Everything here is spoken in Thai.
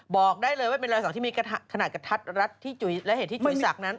บอกได้เลยว่าเป็นรอยสักที่มีขนาดกระทัดรัดที่จุ๋ยและเหตุที่จุ๋ยสักนั้น